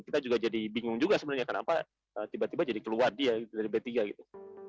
kita juga jadi bingung juga sebenarnya kenapa tiba tiba jadi keluar dia dari b tiga gitu